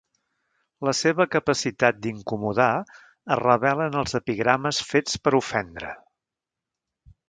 La seva capacitat d'incomodar es revela en els epigrames fets per ofendre.